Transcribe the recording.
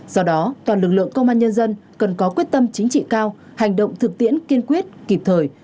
do đó toàn lực lượng công an nhân dân cần có quyết tâm chính trị cao hành động thực tiễn kiên quyết kịp thời